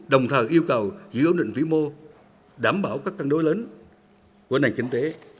đồng thời yêu cầu giữ ổn định vĩ mô đảm bảo các cân đối lớn của nền kinh tế